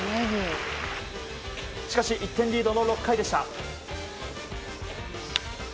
しかし１点リードの６回でした。